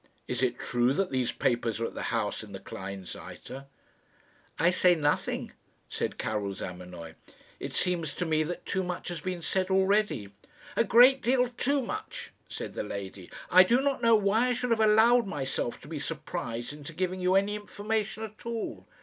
Is it true that these papers are at the house in the Kleinseite?" "I say nothing," said Karil Zamenoy. "It seems to me that too much has been said already." "A great deal too much," said the lady. "I do not know why I should have allowed myself to be surprised into giving you any information at all.